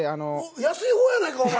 安い方やないかお前。